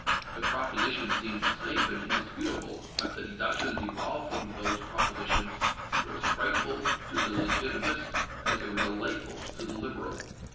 The propositions seemed safe and indisputable, but the deductions evolved from those propositions were as frightful to the legitimist as they were delightful to the liberal.